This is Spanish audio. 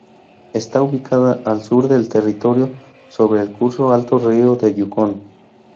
Está ubicada al sur del territorio, sobre el curso alto del río Yukón.